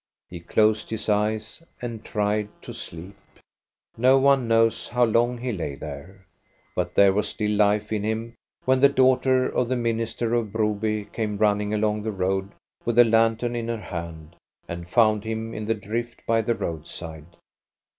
He closed his eyes and tried to sleep. No one knows how long he lay there ; but there was still life in him when the daughter of the minister of Broby came running along the road with a lantern in her hand, and found him in the drift by the road side.